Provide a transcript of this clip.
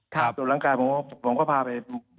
ตรวจร่างกายผมก็พาไป